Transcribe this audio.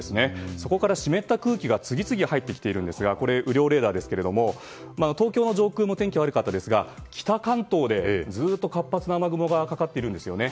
そこから湿った空気が次々入ってきているんですがこれ、雨量レーダーですが東京の上空の天気悪かったですが北関東でずっと活発な雨雲がかかっているんですよね。